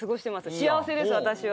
幸せです私は。